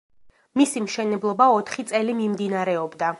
მისი მშენებლობა ოთხი წელი მიმდინარეობდა.